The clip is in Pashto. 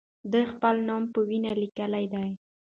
دوی خپل نوم په وینو لیکلی دی.